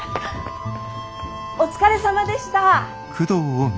お疲れさまでした。